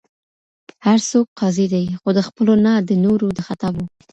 هر څوک قاضي دی، خو د خپلو نه، د نورو د خطاوو.